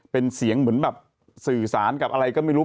เป็นเสียงเหมือนแบบสื่อสารกับอะไรก็ไม่รู้